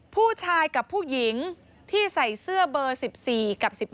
ผู้ชายกับผู้หญิงที่ใส่เสื้อเบอร์๑๔กับ๑๕